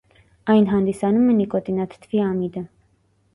Այն հանդիսանում է նիկոտինաթթվի ամիդը։